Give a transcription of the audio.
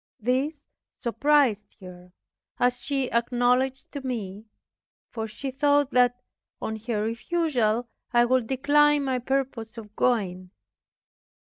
This surprised her, as she acknowledged to me; for she thought that, on her refusal, I would decline my purpose of going.